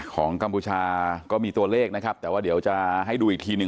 กัมพูชาก็มีตัวเลขนะครับแต่ว่าเดี๋ยวจะให้ดูอีกทีหนึ่ง